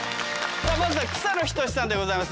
まずは草野仁さんでございます。